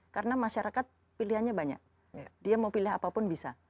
karena masyarakat pilihannya banyak dia mau pilih apapun bisa